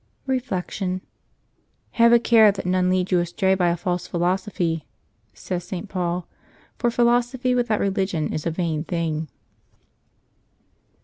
Reflection. —" Have a care that none lead you astray by a false philosophy,^' says St. Paul, for philosophy without religion is a vain thing.